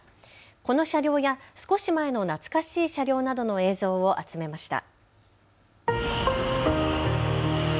この車両や少し前の懐かしい車両などの映像を集めました。